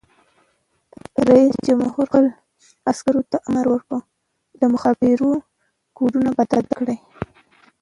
رئیس جمهور خپلو عسکرو ته امر وکړ؛ د مخابرو کوډونه بدل کړئ!